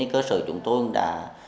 cơ sở chúng tôi đã